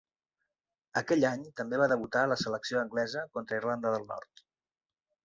Aquell any també va debutar a la selecció Anglesa contra Irlanda del Nord.